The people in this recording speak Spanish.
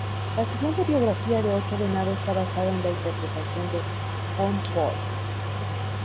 La siguiente biografía de Ocho Venado está basada en la interpretación de John Pohl.